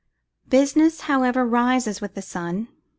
Business, however, rises with the sun.